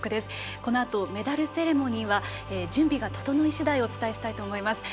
このあとメダルセレモニーは準備が整い次第お伝えしたいと思います。